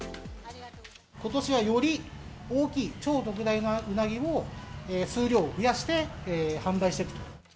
ことしはより大きい超特大のうなぎを、数量を増やして販売していくと。